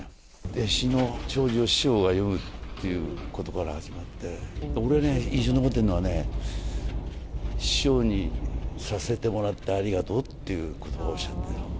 弟子の弔辞を師匠が読むということから始まって、俺ね、印象に残ってるのはね、師匠にさせてもらってありがとうっていうことばをおっしゃった。